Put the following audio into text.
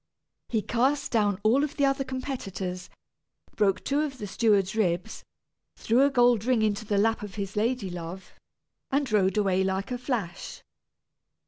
He cast down all of the other competitors, broke two of the steward's ribs, threw a gold ring into the lap of his lady love, and rode away like a flash.